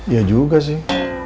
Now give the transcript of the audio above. ya juga sih